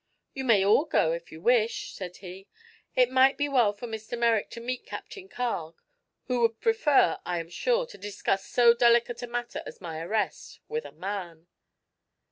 "You may all go, if you wish," said he. "It might be well for Mr. Merrick to meet Captain Carg, who would prefer, I am sure, to discuss so delicate a matter as my arrest with a man.